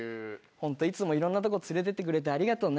本当いつもいろんなとこ連れてってくれてありがとうね。